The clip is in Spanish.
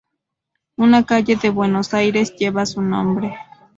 Una calle de Buenos Aires lleva su nombre.